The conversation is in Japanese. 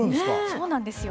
そうなんですよ。